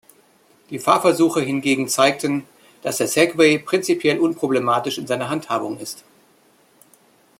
Die Fahrversuche hingegen zeigten, dass der Segway prinzipiell unproblematisch in seiner Handhabung ist.